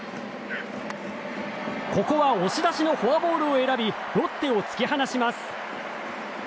ここは押し出しのフォアボールを選びロッテを突き放します。